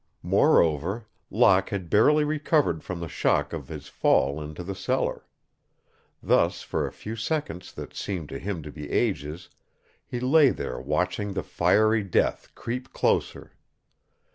Moreover, Locke had barely recovered from the shock of his fall into the cellar. Thus for a few seconds that seemed to him to be ages he lay there watching the fiery death creep closer.